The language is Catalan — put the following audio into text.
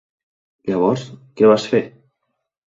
Llavors, què vas fer?